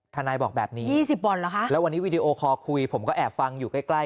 ธนายบอกแบบนี้แล้ววันนี้วีดีโอคอคุยผมก็แอบฟังอยู่ใกล้